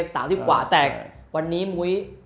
สามสิบกว่าแต่วันนี้มุ้ย